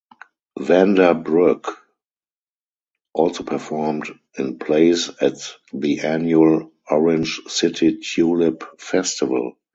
Vander Broek also performed in plays at the annual Orange City Tulip Festival.